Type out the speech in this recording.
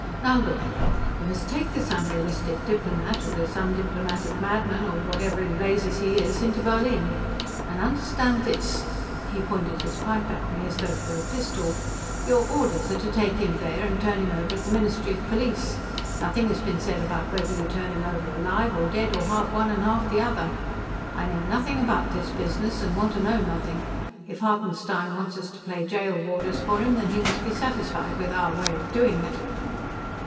Now, look; you must take this unrealistic diplomat, or this undiplomatic madman, or whatever in blazes he is, in to Berlin. And understand this." He pointed his pipe at me as though it were a pistol. "Your orders are to take him there and turn him over at the Ministry of Police. Nothing has been said about whether you turn him over alive, or dead, or half one and half the other. I know nothing about this business, and want to know nothing; if Hartenstein wants us to play gaol warders for him, then he must be satisfied with our way of doing it!"